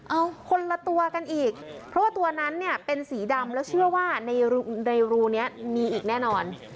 เอาคนละตัวกันอีกเพราะว่าตัวนั้นเนี่ยเป็นสีดำแล้วเชื่อว่าในรูนี้มีอีกแน่นอน